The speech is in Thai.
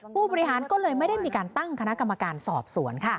ผู้บริหารก็เลยไม่ได้มีการตั้งคณะกรรมการสอบสวน